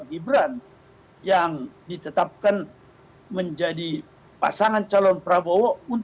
dia merupakan pasangan calon prabowo